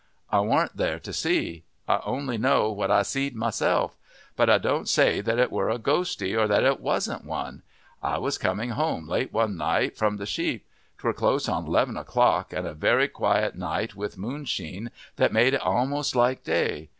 I warn't there to see. I only know what I see'd myself: but I don't say that it were a ghostie or that it wasn't one. I was coming home late one night from the sheep; 'twere close on 'leven o'clock, a very quiet night, with moonsheen that made it a'most like day.